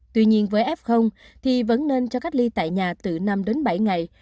tuy nhiên với f thì vẫn nên cho cách ly tại nhà từ năm đến bảy ngày